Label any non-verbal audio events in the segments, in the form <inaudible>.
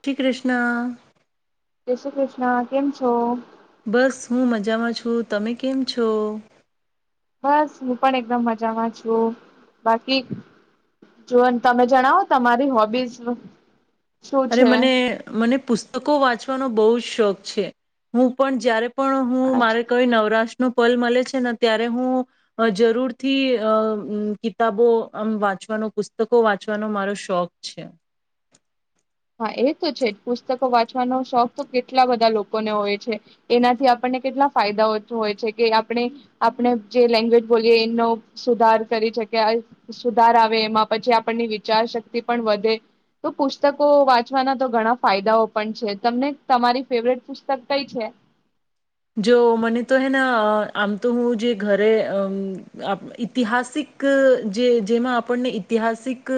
શ્રી કૃષ્ણ. જય શ્રી કૃષ્ણ, કેમ છો? બસ હું મજામાં છું. તમે કેમ છો? બસ હું પણ એકદમ મજામાં છું બાકી જો તમે જણાવો તમારી હોબીસ નું અરે મને મને પુસ્તકો વાંચવાનો બવ શોખ છે. હું પણ જ્યારે પણ હું હા મારે કઈ નવરાષ્ટ્ર નુ પલ મળે છે, ને ત્યારે હું જરૂર થી અ કિતાબો અ મ વાંચવાનો પુસ્તકો વાંચવાનો મારો શોખ છે. એ તો છે, પુસ્તકો વાંચવાનો શોખ તો કેટલા બધા લોકોને હોય છે, એનાથી આપણને કેટલા ફાયદાઓ હોય છે કે આપણે આપણે જે લેંગ્વેજ બોલીએ એનો સુધાર કરી શકે સુધાર આવે એમાં પછી આપણની વિચાર શક્તિ પણ વધે, તો પુસ્તક કો વાંચવાના તો ઘણા ફાયદાઓ પણ છે. તમને તમારી ફેવરેટ પુસ્તક કઈ છે? જો મને તો હેને આમ તો હું જે ઘરે અમ ઐતિહાસિક જે જેમાં આપણને ઐતિહાસિક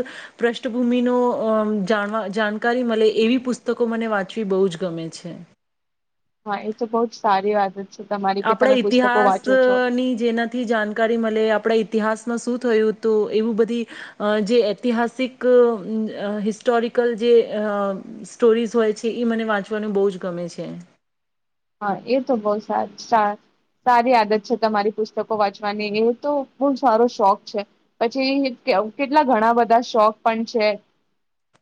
પૃષ્ઠભૂમિનો અ જાણવા જાણકારી મળે એવી પુસ્તકો મને વાંચવી બહુ જ ગમે છે. હા, એ તો બહુ જ સારી વાત હતી આપણા ઇતિહાસ ની જેનાથી જાણકારી મળે આપણા ઇતિહાસમાં શું થયું તું એવું બધી અ જે ઐતિહાસિક હિસ્ટોરિકલ જે સ્ટોરીઝ હોય છે એ મને વાંચવાનું બહુ જ ગમે છે. હા એ તો બહ સ સારી આદત છે તમારી પુસ્તકો વાંચવાની, એ તો બહુ સારો શોખ છે. પછી કેટલા ઘણા બધા શોખ પણ છે,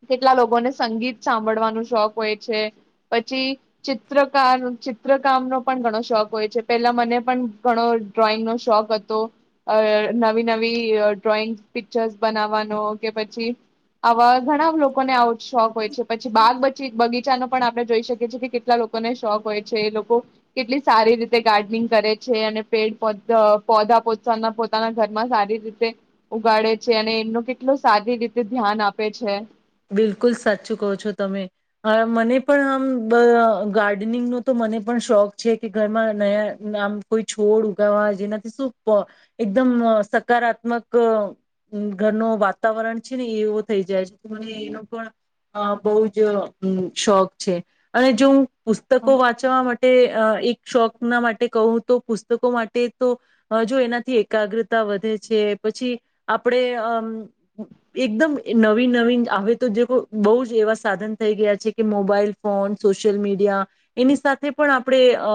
કેટલા લોકોને સંગીત સાંભળવાનો શોખ હોય છે. પછી ચિત્રકાર ચિત્રકામનો પણ ઘણો શોખ હોય છે. પેલા મને પણ ઘણો ડ્રોઈંગનો શોખ હતો નવી નવી ડ્રોઈંગ પિક્ચર્સ બનાવવાનો કે પછી આવા ઘણા લોકોને આવ શોખ હોય છે. પછી બાગ બચી બગીચાનો પણ આપણે જોઈ શકીએ છીએ કે કેટલા લોકોને શોખ હોય. છે એ લોકો કેટલી સારી રીતે ગાર્ડનિંગ કરે છે, અને પેડ પધા પોના પોતાના ઘરમાં સારી રીતે ઉગાડે છે. અને એમનું કેટલું સારી રીતે ધ્યાન આપે છે. બિલકુલ સાચું કહો છો તમે. હવે મને પણ આમ ગાર્ડનિંગનો તો મને પણ શોખ છે કે ઘરમાં નયા આમ કોઈ છોડ ઉગાવા જેનાથી શું એકદમ સકારાત્મક અ ઘરનું વાતાવરણ છે ને એવો થઈ જાય છે. મને એનો પણ અ બહુ જ શોખ છે અને જો હુ પુસ્તકો વાંચવા મા એક શોખ ના માટે કહુ તો પુસ્તકો માટે તો જો એનાથી એકાગ્રતા વધે છે પછી આપણે અમ એકદમ નવીન નવીન હવે તો બહુ જ એવા સાધન થઈ ગયા છે કે મોબાઈલ ફોન, સોશિયલ મીડિયા એની સાથે પણ આપણે અ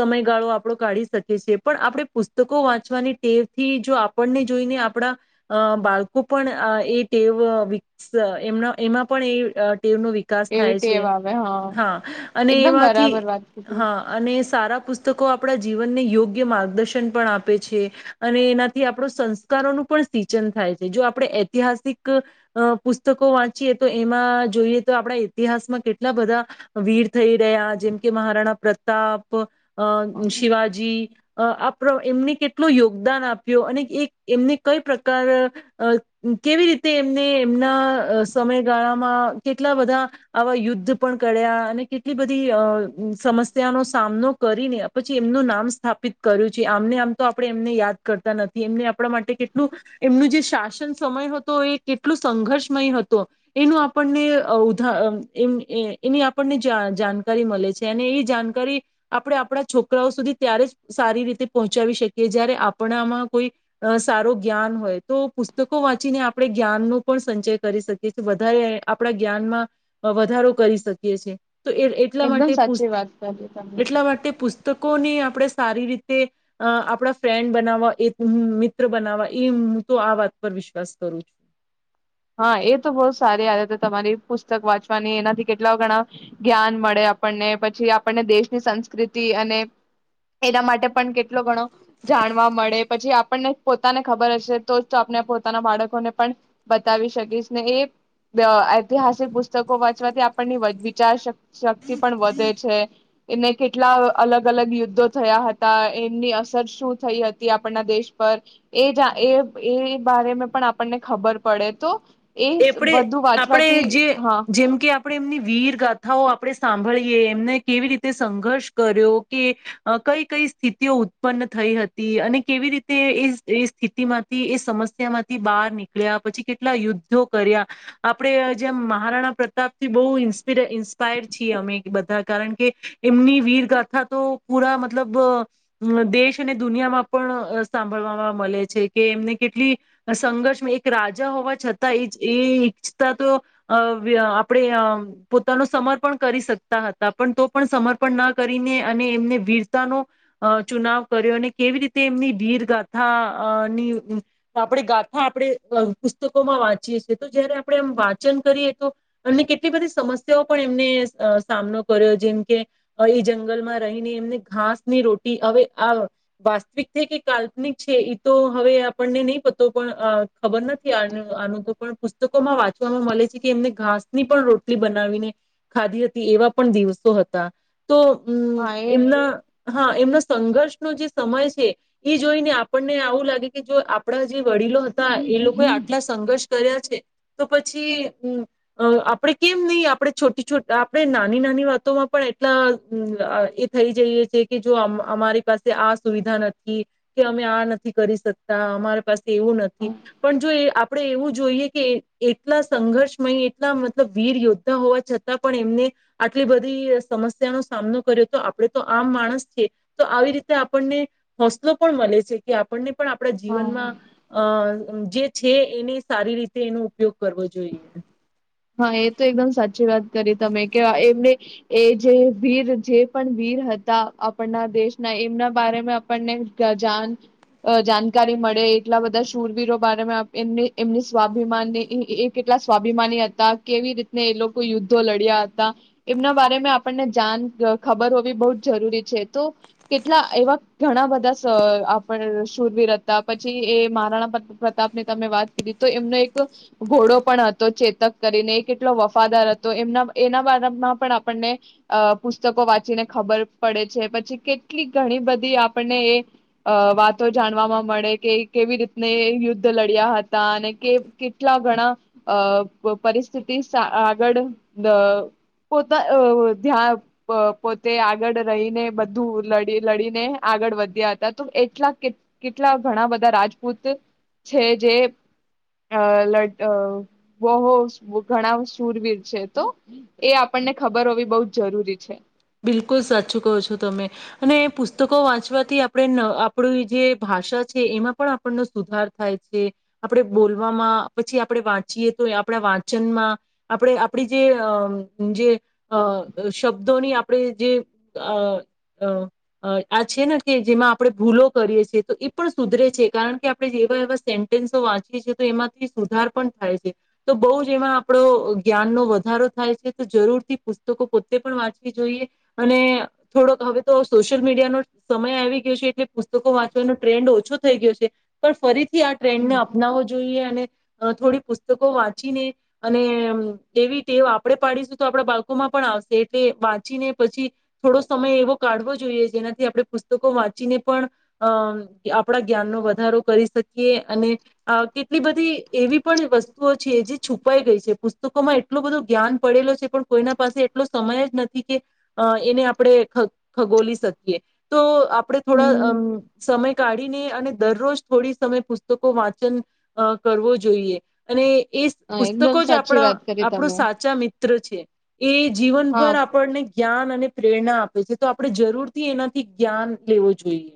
સમયગાળો આપણો કાઢી શકીએ છે. પણ આપણે પુસ્તકો વાંચવાની ટેવ થી જો આપણને જોઈને આપણા અ બાળકો અ પણ એ ટેવ એમના એમાં પણ એ એમનો વિકાસ એવી થાય છે. ટેવ આવે હા અને એકદમ એમાંથી બરાબર વાત કીધી હા અને સારા પુસ્ત પુસ્તકો આપણા જીવનને યોગ્ય માર્ગદર્શન પણ આપે છે અને એનાથી આપણો સંસ્કારોનું પણ સિચન થાય છે જો આપણે ઐતિહાસિક અ પુસ્તકો વાંચીએ તો એમાં જોઈએ તો આપણા ઇતિહાસમાં કેટલા બધા વીર થઈ રહ્યા જેમ કે મહારાણા પ્રતાપ અ હા, શિવાજી અ આપ એમને કેટલો યોગદાન આપ્યો અને એ એક એમને કઈ પ્રકાર કેવી રીતે એ ને એમના સમયગાળામાં કેટલા બધા આવા યુદ્ધ પણ કર્યા અને કેટલી બધી અ સમસ્યાનો સામનો કરીને પછી એમનું નામ સ્થાપિત કર્યું છે આમને આમ તો આપણે એમને યાદ કરતા નથી એમને આપણા માટે કેટલું એમનું જે શાસન સમય હતો એ કેટલું સંઘર્ષમય હતો એનું આપણને ઉધા અ એ એની આપણને જાનકારી મળે છે અને એ જાનકારી આપણે આપણા છોકરાઓ સુધી ત્યારે જ સારી રીતે પહોંચાવી શકીએ જયારે આપણામાં કોઈ સારું જ્ઞાન હોય તો પુસ્તકો વાંચીને આપણે જ્ઞાનનો પણ સંચય કરી શકીએ વધારે આપણા જ્ઞાનમાં વધારો કરી શકીએ છે. તો એ એટલા એકદમ માટે પુશ સાચી વાત કરી તમે એટલા માટે પૂષ. પુસ્તકોને આપણે સારી રીતે અ આપણા ફ્રેન્ડ બનાવવા એ ઉ મિત્ર બનાવવા એ મુ તો આ વાત પર વિશ્વાસ કરું છું. હા એ તો બહ સારી આદત હે તો તમારી પુસ્તક વાંચવાની એનાથી કેટલા ઘણા જ્ઞાન મળે આપણને પછી આપણને દેશની સંસ્કૃતિ અને એના માટે પણ કેટલો ઘણો જાણવા મળે પછી આપણને પોતાને ખબર હશે તો જ આપને પોતાના બાળકોને પણ બતાવી શકીશ ને એ બ ઐતિહાસિક પુસ્તકો વાંચવાથી આપણને વિચાર શકિ શક પણ વધે છે એને કેટલા અલગ-અલગ યુદ્ધો થયા હતા એમની અસર શું થઈ હતી આપણના દેશ પર એ-એ-એ બારે મે પણ આપણને ખબર પડે તો એ એપણે વધુ આપણે વાંચવાથી જે હા જેમ કે આપણે એમની વીર ગાથાઓ આપણે સાંભળીએ એમને કેવી રીતે સંઘર્ષ કર્યો કે કઈ-કઈ સ્થિતિઓ ઉત્પન્ન થઈ હતી અને કેવી રીતે એ એ સ્થિતિમાંથી એ સમસ્યામાંથી બહાર નીકળ્યા પછી કેટલા યુદ્ધ કર્યા આપણે જેમ મહારાણા પ્રતાપ થી બહુ ઈન્સપી ઇન્સ્પાયર છીએ અમે બધા કારણ કે એમની વીરગાથા તો પૂરા મતલબ અ દેશ અને દુનિયામાં પણ અ સાંભળવામાં મળે છે કે એમને કેટલી સંઘર્ષ એક રાજા હોવા છતાં તા એ ઈ ઈચ્છતા તો અ વ્ય અ આપણે પોતાનું સમર્પણ કરી શકતા હતા પણ તો પણ સમર્પણ ન કરીને અને એમને વીરતાનો અ ચુનાવ કર્યો અને કેવી રીતે એમની વીર ગાથા અ ની આપણે ગાથા અ આપણે અ પુસ્તકોમાં વાંચ છીએ તો જયારે આપણે એમ વાંચન કરીએ તો એમને કેટલી બધી સમસ્યાઓ પણ એમને અ સામનો કર્યો જેમ કે ઈ જંગલમાં રહીને એમને ઘાસની રોટી હવે આ વાસ્તવિક છે કે કાલ્પનિક છે એ તો હવે આપણને નહી પતો પણ અ ખબર નથી આ આનું તો પુસ્તકોમાં વાંચવામાં મળે છે કે એમને ઘાસની પણ રોટલી બનાવીને ખાધી હતી એવા પણ દિવસો હતા. તો હમ હા એ એમના હા એમનો સંઘર્ષનો જે સમય છે ઈ જોઈ ને આપણને આવું લાગે કે જો આપણા જે વડીલો હતા એ લોકો એ આટલા સંઘર્ષ કર્યા છે તો પછીમ અ આપડે કેમ નહી આપણે છોટી છો આપણે નાની-નાની વાતોમાં પણ એટલા એ થઈ જઈએ છે કે જો અમારી પાસે આ સુવિધા નથી કે અમે આ નથી કરી શકતા અમારી પાસે તેવું નથી પણ જો એ આપણે એવું જ જોઈએ કે એટલા સંઘર્ષમય એટલા મતલબ વીર યોદ્ધા હોવા છતાં પણ એમને આટલી બધી સમસ્યાનો સામનો કર્યો તો આપણે તો આમ માણસ છીએ તો આવી રીતે આપણને હોસલો પણ મલે છે કે આપણને પણ આપણા હા જીવનમાં અ જે છે એને સારી રીતે એનો ઉપયોગ કરવો જોઈએ. હા એ તો એકદમ સાચી વાત કરી તમે કે એમને એ જે વીર જે પણ વીર હતા આપના દેશના એમના બારેમા આપણને જાણ અ જાણકારી મળે એટલા બધા શૂરવીરો બારેમા એમ એમની સ્વાભિમાની એ-એ કેટલા સ્વાભિમાની તા કેવી રીતે એ લોકો યુદ્ધો લડ્યા હતા એમના બારેમા આપણને જાણ ખબર હોવી બઉજ જરૂરી છે. તો કેટલા એવા ઘણા બધા આપ સુરવીર હતા પછી એ મહારાણા પ્રતાપની તમે વાત કરીધી તો એમનો એક ઘોડો પણ હતો ચેતક કરીને એ કેટલો વફાદાર હતો એમના એના બારામાં પણ આપણને અ પુસ્તકો વાંચીને ખબર પડે છે. પછી કેટલી ઘણી બધી આપણને એ વાતો જાણવાવામાં મળે કે કેવી રીતને યુદ્ધ લડ્યા હતા અને કે કેટલા ઘણા અ પરિસ્થિતિ સ આગળ દ પોતા ધ્યાં પોતે આગળ રહીને બધું લડી લડીને આગળ વધ્યા હતા તો અ એટલા કેટલા ઘણા બધા રાજપૂત છે જે અ લ અ <unintelligible> ઘણા સુરવીર છે તો એ આપણને ખબર હોવી બઉ જ જરૂરી છે. બિલકુલ સાચું કહો છો તમે અને પુસ્તકો વાંચવાથી આપણે આપણી જે ભાષા છે એમાં પણ આપણનો સુધાર થાય છે આપણે બોલવામાં પછી આપણે વાંચીએ તો આપણા વાંચનમાં આપણે આપણી જે અ અ અમ્મ શબ્દોની આપણે જે ‌આ અ આ છે ને કે જેમાં આપણે ભૂલો કરીએ છીએ તો એ પણ સુધરે છે કારણ કે આપણે એવા એવા સેન્ટેન્સો વાંચીએ છીએ તો એમાંથી સુધાર પણ થાય છે તો બઉ જ એમાં આપડો જ્ઞાનનો વધારો થાય છે તો જરૂરથી પુસ્તકો પોતે પણ વાંચવી જોઈ અને થોડોક હવે તો સોશિયલ મીડિયાનો સમય આવી ગયો છે એટલે પુસ્તકો વાંચવાનો ટ્રેન્ડ ઓછો થઈ ગયો છે પણ ફરી થી આ ટ્રેન્ડ ને હમ અપનાવવો જોઈએ અને અ થોડી પુસ્તકો વાંચીને અને એવી ટેવ આપડે પાડીશું તો આપડા બાળકોમાં પણ આવશે એ તે મા વાંચીને પછી થોડો સમય એવો કાઢવો જોઈએ. જેનાથી આપણે પુસ્તકો વાંચીને પણ અમ્મ આપણા જ્ઞાનનો વધારો કરી શકીએ અને અ કેટલી બધી એવી પણ વસ્તુઓ છે જે છુપાઈ ગઈ છે. પુસ્તકોમાં એટલો બધો જ્ઞાન પડેલો છે. પણ કોઈના પાસે એટલો સમય જ ન કે એને આપણે ખ ખગોલી શકીએ. તો આપડણે થોડા હમ. અમ્મ સમય કાઢીને અને દરરોજ થોડી સમય પુસ્તકો વાંચન કરવો અ જોઈએ અને એ જ હા, એકદમ પુસ્તકો જ સાચી આપણા વાત કરી આપણું તમે. સાચા મિ ત્ર છે. એ હા જીવનભર આપ જ્ઞાન અને પ્રેરણા આપે છે તો આપણે જરૂર થી એનાથી જ્ઞાન લેવું જોઈએ.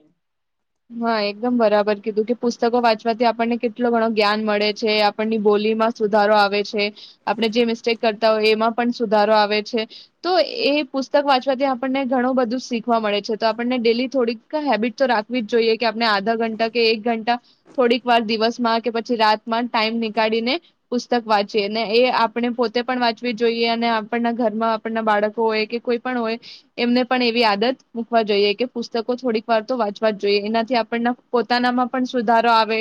હા એકદમ બરાબર કીધું કે પુસ્તકો વાંચવાથી આપણને કેટલો ઘણો જ્ઞાન મળે છે. આપણની બોલીમાં સુધારો આવે છે આપણે જે મિસ્ટેક કરતા હોય એમાં પણ સુધારો આવે છે તો એ પુસ્તક વાંચવાથી આપણને ઘણું બધું શીખવા મળે છે. તો આપણને ડેલી થોડીક હેબિટ તો રાખ વીજ જોઈએ કે આપણે આધા ઘંટા કે એક ઘંટા થોડીક વાર દિવસમાં કે પછી રાતમાં ટાઈમ નીકળીને પુસ્તક વાંચીએ ને એ આપણે પોતે પણ વાંચવી જોઈએ અને આપણના ઘરમાં આપણના બાળકો હોય કે કોઈ પણ હોય એમને પણ એવી આદત મુકવા જોઈએ કે પુસ્તકો થોડીક વાર તો વાંચ વાજ જોઈએ. એનાથી આપણ પોતાનામાં પણ સુધારો આવે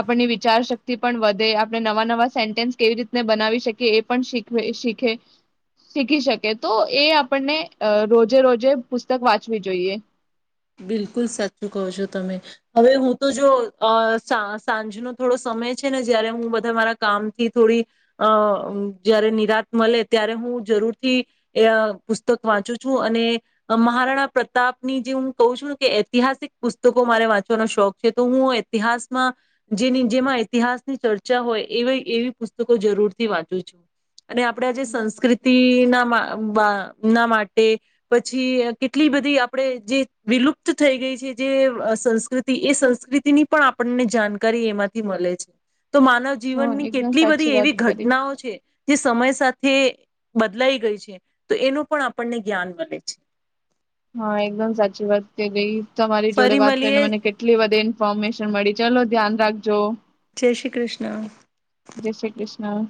આપણની વિચાર શક્તિ પણ વધે આપણે નવા નવા સેન્ટેન્સ કેવી રીતને બનાવી શકીએ એ પણ શીખ શીખે શીખી શકે તો એ આપણને અ રોજે રોજે પુસ્તક વાંચવી જોઈએ. બિલકુલ સાચું કહો છો તમે, હવે હું તો જો સા સાંજનો થોડો સમય છે ને જયારે હું બધા મારા કામથી થોડી અ જયારે નિરાત મળે ત્યારે હું જરૂર થી એ પુસ્તક વાંચું છું. અને મહારાણા પ્રતાપની જે હું કઉ છું કે ઐતિહાસિક પુસ્તકો મારે વાંચવાનો શોખ છે તો હું ઐતિહાસ જેની જેમાં ઐતિહાસ ચર્ચા હોય એ એવી પુસ્તકો જરૂર થી વાંચું છું. અને આપડે જેે સંસ્કૃતિ ના મા‌ બ અ ન માટે પછી કેટલી બધી આપણેે જે વિલુપ્ત થઈ ગઈ છે જે સંસ્કૃતિ એ સંસ્કૃતિની પણ આપણને જાણકારી એમાંથી મળે છે. તો માનવ હા જીવનની એકદમ કેટલી સાચી બધી વાત એવી કરી ઘટનાઓ છે. તે સમય સાથે બદલાઈ ગઈ છે તો એનું પણ આપણને જ્ઞાન મલે છે. હા એકદમ સાચી વાત કે ગઈ. તમારી જોડે ફરી વાત મળીએ કરીને મને કેટલી વધે ફોમેશન મળી ચલો ધ્યાન રાખજો. જય શ્રી કૃષ્ણ. જય શ્રી કૃષ્ણ.